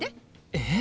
えっ？